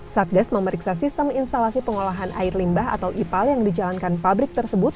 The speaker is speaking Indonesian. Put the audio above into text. satgas memeriksa sistem instalasi pengolahan air limbah atau ipal yang dijalankan pabrik tersebut